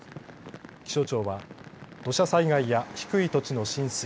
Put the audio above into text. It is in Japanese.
気象庁は土砂災害や低い土地の浸水